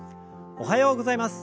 おはようございます。